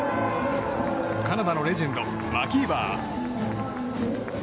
カナダのレジェンドマキーバー。